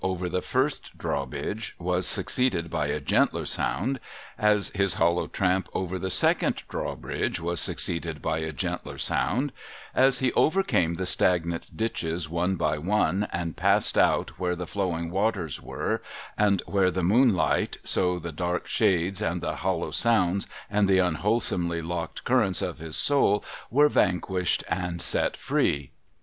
THE ENGLISHMAN LEFT FRANCE 305 the first drawbridge was succeeded by a gentler sound, as his hollow tramp over the second drawbridge was succeeded by a gentler sound, as he overcame the stagnant ditches one by one, and passed out where the flowing waters were and where the moonlight, so the dark shades and the hollow sounds and the unwholesomely locked currents of his soul were vanquished and set free.